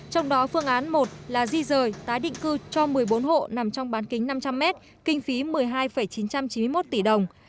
trong đó phương án một là di rời tái định cư cho một mươi bốn hộ nằm trong bán kính năm trăm linh m kinh phí một mươi hai chín trăm chín mươi một tỷ đồng